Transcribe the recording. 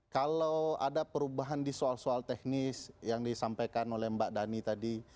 kalau ada perubahan di soal soal teknis yang disampaikan oleh mbak dhani tadi